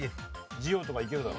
じおとかいけるだろ？